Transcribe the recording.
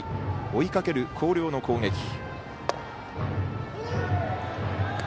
追いかける広陵の攻撃。